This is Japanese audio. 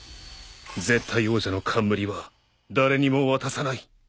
絶対王者の冠は誰にも渡さない。